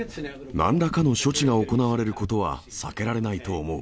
なんらかの処置が行われることは避けられないと思う。